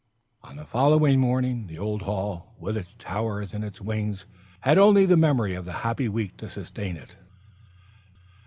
And on the following morning, the old hall, with its towers and its wings, had only the memory of the happy week to sustain it.